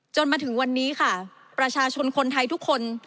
จนถึงวันนี้ค่ะประชาชนคนไทยทุกคน